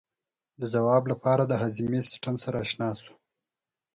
د ځواب لپاره د هاضمې سیستم سره آشنا شو.